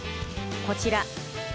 こちら。